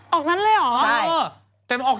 ออกนั้นเลยเหรอ